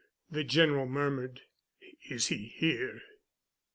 the General murmured. "Is he here?"